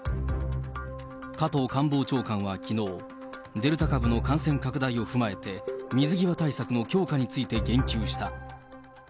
加藤官房長官はきのう、デルタ株の感染拡大を踏まえて、水際対策の強化について言及した。